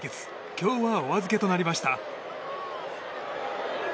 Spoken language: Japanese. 今日はお預けとなりました。